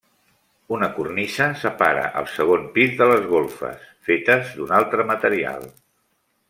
Una cornisa separa el segon pis de les golfes, fetes d'un altre material.